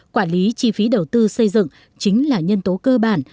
quản lý chi phí đầu tư xây dựng chính là nhân tố cơ bản